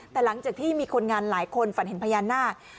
แต่หลังจากที่มีคนงานหลายคนฝันเห็นพญานาค